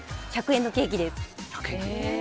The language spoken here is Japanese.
１００円のケーキです。